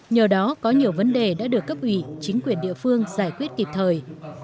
nhờ đó có nhiều vấn đề đã được cấp ủy chính quyền địa phương giải quyết kịp thời